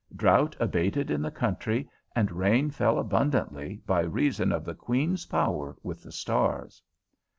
Drought abated in the country and rain fell abundantly by reason of the Queen's power with the stars.